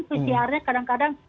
pcr nya kadang kadang